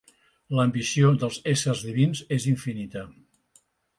L'ambició dels éssers divins és infinita.